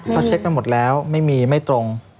เขาเช็คกันหมดแล้วไม่มีไม่ตรง